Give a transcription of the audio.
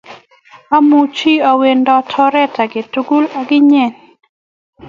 Amuchi awendot oret age tugul ak inye